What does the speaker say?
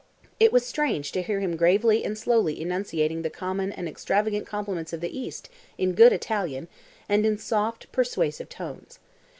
It was strange to hear him gravely and slowly enunciating the common and extravagant compliments of the East in good Italian, and in soft, persuasive tones.